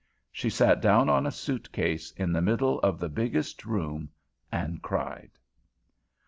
She sat down on a suitcase, in the middle of the biggest room, and cried!